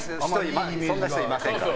そんな人いませんから。